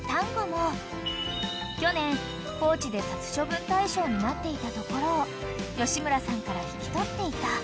［去年高知で殺処分対象になっていたところを吉村さんから引き取っていた］